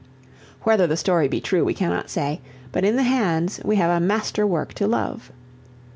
Whether the story be true we cannot say, but in the hands we have a master work to love.